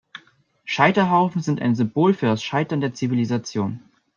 Scheiterhaufen sind ein Symbol für das Scheitern der Zivilisation.